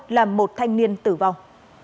là một thanh niên tử vong